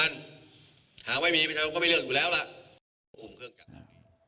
หากไม่มีก็ไม่เลือกอยู่แล้วล่ะ